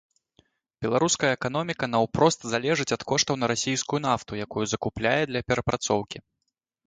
Беларуская эканоміка наўпрост залежыць ад коштаў на расійскую нафту, якую закупляе для перапрацоўкі.